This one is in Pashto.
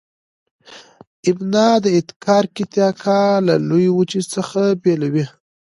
ابنا د انتارکتیکا د لویې وچې څخه بیلوي.